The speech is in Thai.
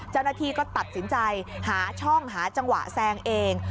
เจ้าหน้าที่ก็ตัดสินใจหาช่องหาจังหวะแซงเอง